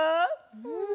うん。